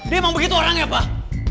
dia emang begitu orang ya abah